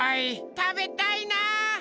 たべたいな！